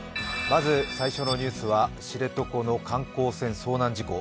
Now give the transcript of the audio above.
最初のニュースは知床の観光船遭難事故。